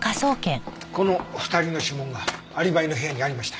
この２人の指紋がアリバイの部屋にありました。